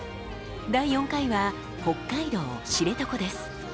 第４回は北海道・知床です。